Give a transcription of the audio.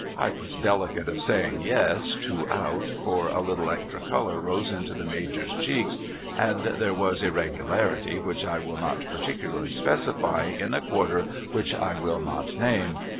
' I was delicate of saying ' Yes ' too out, for a little extra colour rose into the Major's cheeks and there was irregularity which I will not particularly specify in a quarter which I will not name.